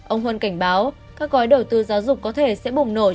ông huân cảnh báo các gói đầu tư giáo dục có thể sẽ bùng nổi